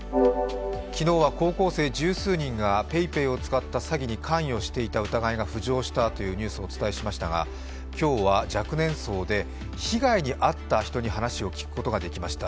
昨日は高校生十数人がＰａｙＰａｙを使った詐欺に関与していた疑いが浮上したというニュースをお伝えしましたが今日は若年層で被害に遭った人に話を聞くことができました。